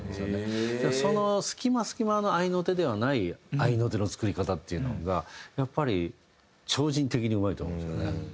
その隙間隙間の合いの手ではない合いの手の作り方っていうのがやっぱり超人的にうまいと思うんですよね。